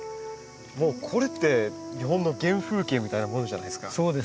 もうこれって日本の原風景みたいなもんじゃないですか。